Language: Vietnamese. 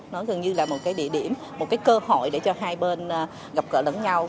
nó gần như là một cái địa điểm một cái cơ hội để cho hai bên gặp gỡ lẫn nhau